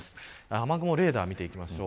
雨雲レーダーを見ていきましょう。